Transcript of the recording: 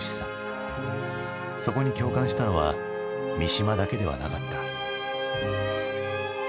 そこに共感したのは三島だけではなかった。